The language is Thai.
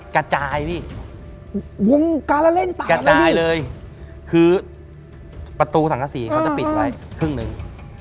กระจายนี่วงการเล่นต่างแล้วนี่กระจายเลยคือประตูสังฆสีเขาจะปิดอะไรครึ่งนึง